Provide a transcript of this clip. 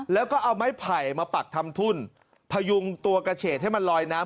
แล้วก็เอาไม้ไผ่มาปักทำทุ่นพยุงตัวกระเฉดให้มันลอยน้ำ